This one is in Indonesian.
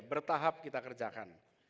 bertahap kita kerjakan